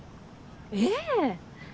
ええ！